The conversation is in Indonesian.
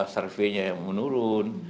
surveinya yang menurun